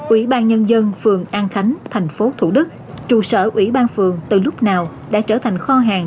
ủy ban nhân dân phường an khánh thành phố thủ đức trụ sở ủy ban phường từ lúc nào đã trở thành kho hàng